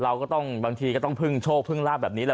เราก็ต้องบางทีก็ต้องพึ่งโชคพึ่งลาบแบบนี้แหละ